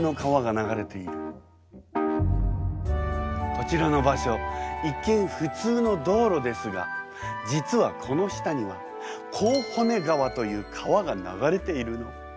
こちらの場所一見普通の道路ですが実はこの下には河骨川という川が流れているの。